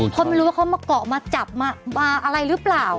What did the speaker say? เพราะไม่รู้ว่าเขามาเกาะมาจับมาอะไรหรือเปล่า